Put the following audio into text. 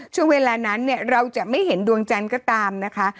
ช่วงเวลานั้นเนี่ยเราจะไม่เห็นดวงจันทร์ก็ตามนะคะ